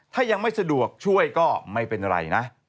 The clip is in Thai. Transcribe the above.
ถ้ายังไม่สะดวกช่วยก็ไม่เป็นไรนะ